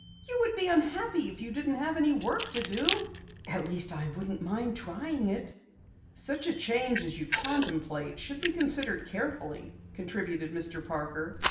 "You would be unhappy if you didn't have any work to do." "At least, I wouldn't mind trying it." "Such a change as you contemplate should be considered carefully," contributed Mr. Parker.